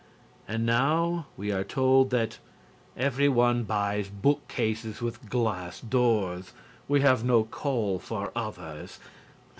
And now we are told that "every one buys bookcases with glass doors; we have no call for others."